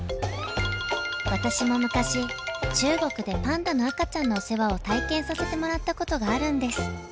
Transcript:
私も昔中国でパンダの赤ちゃんのお世話を体験させてもらったことがあるんです。